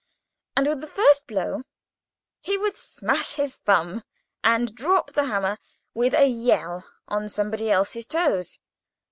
And, with the first blow, he would smash his thumb, and drop the hammer, with a yell, on somebody's toes.